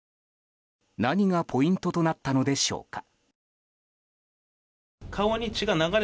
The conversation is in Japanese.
何がポイントとなったのでしょうか。